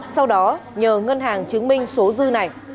sau đó nhờ ngân hàng chứng minh số dư này